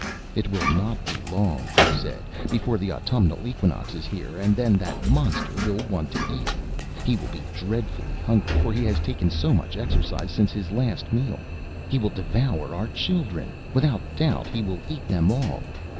"It will not be long," they said, "before the autumnal equinox is here, and then that monster will want to eat. He will be dreadfully hungry, for he has taken so much exercise since his last meal. He will devour our children. Without doubt, he will eat them all.